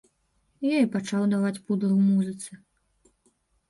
Я і пачаў даваць пудлы ў музыцы.